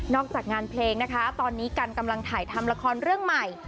จากงานเพลงนะคะตอนนี้กันกำลังถ่ายทำละครเรื่องใหม่